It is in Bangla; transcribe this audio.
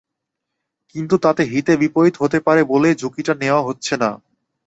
কিন্তু তাতে হিতে বিপরীত হতে পারে বলেই ঝুঁকিটা নেওয়া হচ্ছে না।